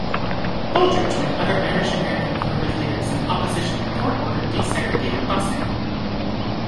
Bulger joined other Irish-American neighborhood leaders in opposition to court-ordered desegregated busing.